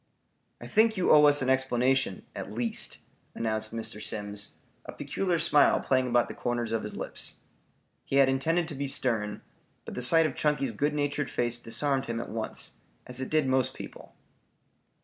"I think you owe us an explanation, at least," announced Mr. Simms, a peculiar smile playing about the corners of his lips. He had intended to be stern, but the sight of Chunky's good natured face disarmed him at once, as it did most people.